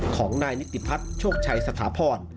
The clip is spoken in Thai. ของนายนิติพัฒน์โชคชัยสถาพร